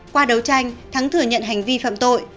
qua đấu tranh thắng thừa nhận hành vi phạm tội